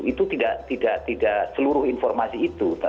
itu tidak seluruh informasi itu